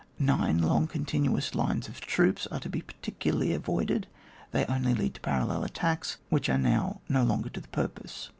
9. Long, continuous lines of troops are to be particularly avoided, they only lead to parallel attacks which are now no longer to the purpose.